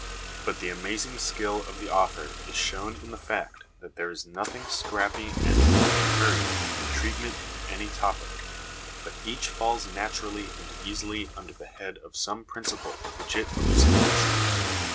But the amazing skill of the author is shown in the fact that there is nothing scrappy and nothing hurried in the treatment of any topic, but each falls naturally and easily under the head of some prin ciple which it elucidates.